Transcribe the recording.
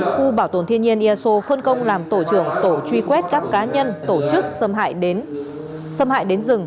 khu bảo tồn thiên nhiên ia so phân công làm tổ trưởng tổ truy quét các cá nhân tổ chức xâm hại đến rừng